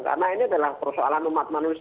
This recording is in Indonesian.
karena ini adalah persoalan umat manusia